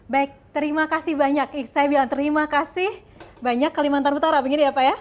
baik terima kasih banyak saya bilang terima kasih banyak kalimantan utara begini ya pak ya